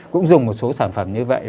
cũng dùng một số sản phẩm như vậy